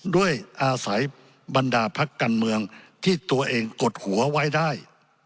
ด้วยอาศัยบรรดาพักการเมืองที่ตัวเองกดหัวไว้ได้